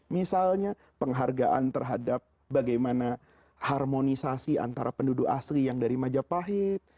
misalnya penghargaan terhadap bagaimana harmonisasi antara penduduk asli yang dari majapahit